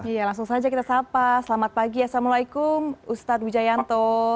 iya langsung saja kita sapa selamat pagi assalamualaikum ustadz wijayanto